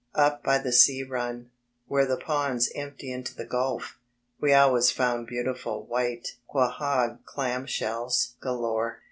Up by the sea run, where the ponds empty into the Gulf, we always found beaudful, white, quahog clam shells galore.